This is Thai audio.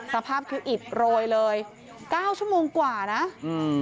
สภาพคืออิดโรยเลยเก้าชั่วโมงกว่านะอืม